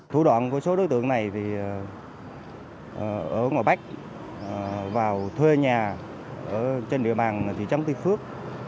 thủ đoạn của số đối tượng này thì ở ngoài bách vào thuê nhà trên địa bàn trong tây phước